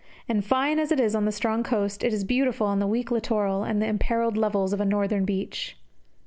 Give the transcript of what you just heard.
And fine as it is on the strong coast, it is beautiful on the weak littoral and the imperilled levels of a northern beach.